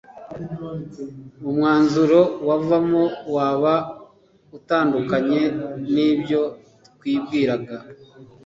umwanzuro wavamo waba utandukanye nibyo twibwiraga